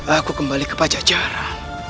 aku kembali ke pajajara